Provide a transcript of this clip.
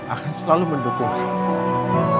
akan selalu mendukung kamu